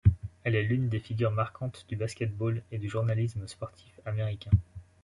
Elle est l'une des figures marquantes du basket-ball et du journalisme sportif américains.